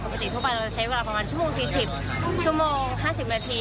ปกติทั่วไปเราจะใช้เวลาประมาณชั่วโมง๔๐ชั่วโมง๕๐นาที